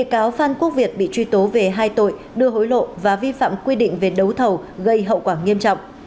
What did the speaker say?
các quốc việt bị truy tố về hai tội đưa hối lộ và vi phạm quy định về đấu thầu gây hậu quả nghiêm trọng